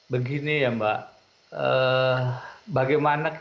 begini ya mbak bagaimana kehidupan di kla pas di indonesia